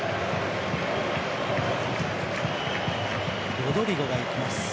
ロドリゴがいきます。